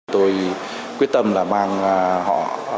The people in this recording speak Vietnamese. tôi quyết tâm là mang họ